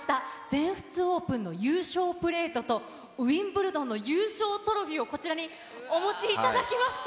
全仏オープンの優勝プレートと、ウィンブルドンの優勝トロフィーをこちらにお持ちいただきました。